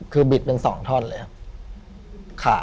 คือบิดเป็น๒ท่อนเลยครับ